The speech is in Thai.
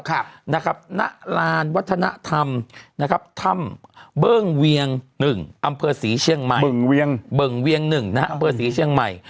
หน้ารานวัฒนธรรมท่ำเบิ่งเวียง๑อำเภอศรีเชียงใหม่